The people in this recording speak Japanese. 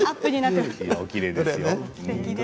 おきれいですよ。